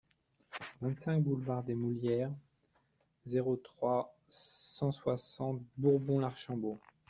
vingt-cinq boulevard des Mouillères, zéro trois, cent soixante Bourbon-l'Archambault